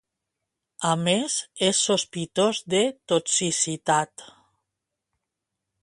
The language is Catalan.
A més, és sospitós de toxicitat.